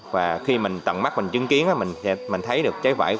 và khi mình tận mắt mình chứng kiến mình thấy được trái vải quá